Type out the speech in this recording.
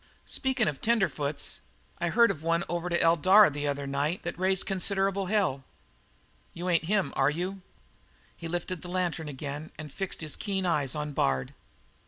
"Speakin' of tenderfoots, I heard of one over to Eldara the other night that raised considerable hell. You ain't him, are you?" He lifted the lantern again and fixed his keen eyes on Bard.